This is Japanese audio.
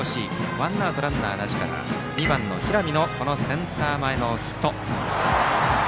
ワンアウトランナーなしから２番、平見のセンター前ヒット。